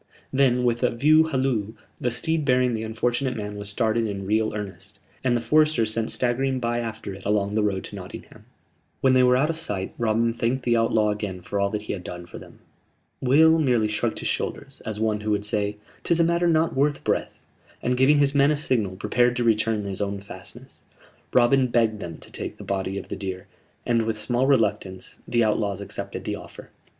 Then, with a "view halloo," the steed bearing the unfortunate man was started in real earnest; and the foresters sent staggering by after it along the road to Nottingham. When they were out of sight, Robin thanked the outlaw again for all that he had done for them. Will merely shrugged his shoulders, as one who would say: "'Tis a matter not worth breath"; and, giving his men a signal, prepared to return to his own fastnesses. Robin begged them to take the body of the deer, and, with small reluctance, the outlaws accepted the offer.